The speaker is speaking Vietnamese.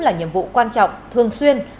là nhiệm vụ quan trọng thường xuyên